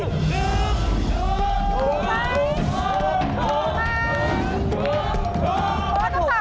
กลุ่มเต็ม